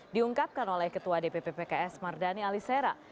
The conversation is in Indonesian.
diungkapkan oleh ketua dpp pks mardani alisera